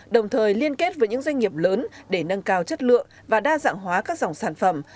đồng thời liên kết với những doanh nghiệp lớn để nâng cao chất lượng và đa dạng hóa các dòng sản phẩm